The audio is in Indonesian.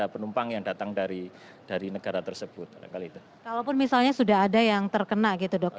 pernah datang dari negara yang terjangkit